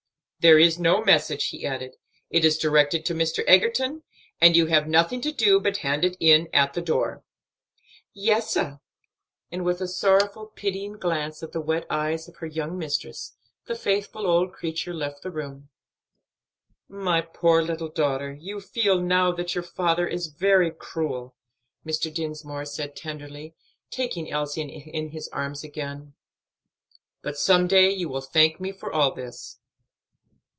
"There is no message," he added; "it is directed to Mr. Egerton, and you have nothing to do but hand it in at the door." "Yes, sah." And with a sorrowful, pitying glance at the wet eyes of her young mistress, the faithful old creature left the room. "My poor little daughter, you feel now that your father is very cruel," Mr. Dinsmore said tenderly, taking Elsie in his arms again, "but some day you will thank me for all this."